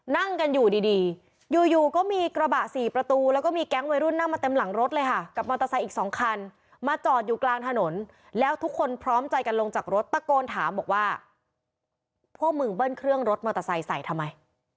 นั่งกันอยู่ดีดีอยู่อยู่ก็มีกระบะสี่ประตูแล้วก็มีแก๊งวัยรุ่นนั่งมาเต็มหลังรถเลยค่ะกับมอเตอร์ไซค์อีกสองคันมาจอดอยู่กลางถนนแล้วทุกคนพร้อมใจกันลงจากรถตะโกนถามบอกว่าพวกมึงเบิ้ลเครื่องรถมอเตอร์ไซค์ใส่ทำไม